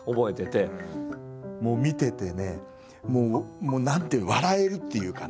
もう見ててねもう何ていうの笑えるっていうかね。